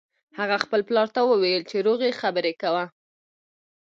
هغه خپل پلار ته وویل چې روغې خبرې کوه